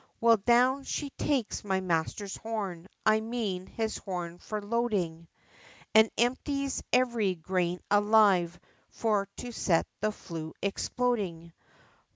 Well down she takes my master's horn I mean his horn for loading, And empties every grain alive for to set the flue exploding.